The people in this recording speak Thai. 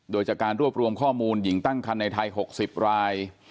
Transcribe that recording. โดยจากการรวบรวมข้อมูลหญิงตั้งคันในไทย๖๐ราย